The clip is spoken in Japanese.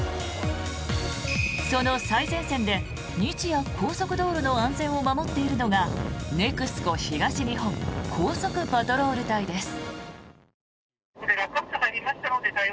その最前線で日夜高速道路の安全を守っているのがネクスコ東日本高速パトロール隊です。